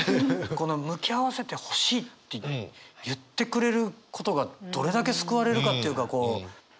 この「向き合わせてほしい」って言ってくれることがどれだけ救われるかっていうかこうねっ。